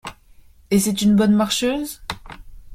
Et c’est une bonne marcheuse ?